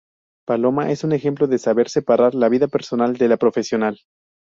Paloma es un ejemplo de saber separar la vida personal de la profesional.